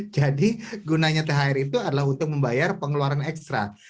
jadi gunanya thr itu adalah untuk membayar pengeluaran ekstra